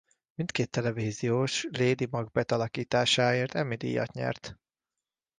Mindkét televíziós Lady Macbeth alakításáért Emmy-díjat nyert.